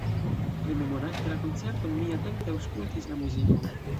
Rememorante la koncerton, mi atente aŭskultis la muzikon.